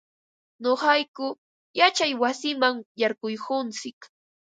Nuqayku yachay wasiman yaykurquntsik.